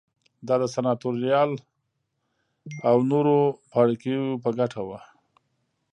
دا د سناتوریال او نورو پاړوکیو په ګټه وه